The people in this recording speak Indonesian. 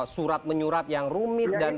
surat menyurat yang rumit dan